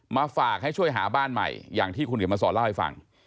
มาฝากให้ช่วยหาบ้านใหม่อย่างที่คุณเดี๋ยวมาสอนเล่าให้ฟัง